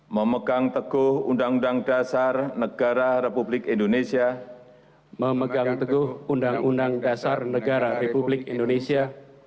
memegang teguh undang undang dasar negara republik indonesia